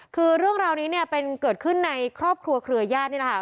คือเรื่องราวนี้เนี่ยเป็นเกิดขึ้นในครอบครัวเครือญาตินี่นะคะ